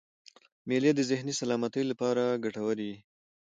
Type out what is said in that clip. مېلې د ذهني سلامتۍ له پاره ګټوري يي.